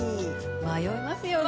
迷いますよね。